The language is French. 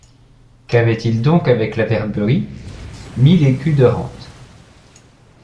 Qu’avaient-ils donc, avec la Verberie?... mille écus de rente!...